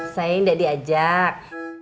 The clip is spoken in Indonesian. sayang saya enggak diajak